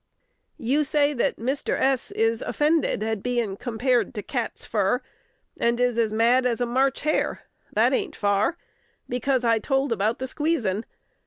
You say that Mr. S. is offended at being compared to cat's fur, and is as mad as a March hare (that ain't far), because I told about the squeezin'.